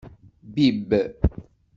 Bibb.